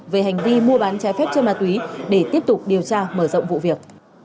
về hành vi mua bán trái phép chân ma túy để tiếp tục điều tra mở rộng vụ việc